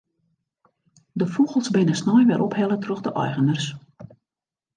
De fûgels binne snein wer ophelle troch de eigeners.